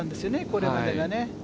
これまでがね。